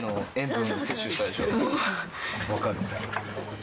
分かる。